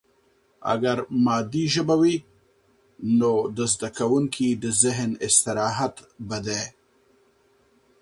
اگر مادي ژبه وي، نو د زده کوونکي د ذهن استراحت به دی.